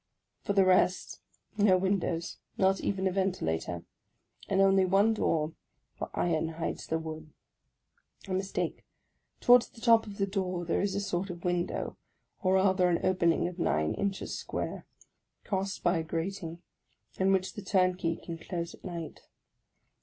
For the rest, no win dows, not even a ventilator; and only one door, where iron hides the wood. I mistake; towards the top of the door there is a sort of window, or rather an opening of nine inches square, crossed by a grating, and which the turnkey can close at night.